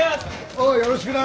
おうよろしくな！